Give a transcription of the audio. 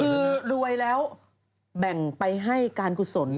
คือรวยแล้วแบ่งไปให้การกุศล